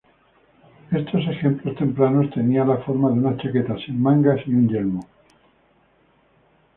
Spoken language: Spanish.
Estos ejemplos tempranos tenían la forma de una chaqueta sin mangas y un yelmo.